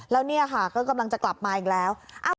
แล้วเนี่ยค่ะก็กำลังจะกลับมาอีกแล้ว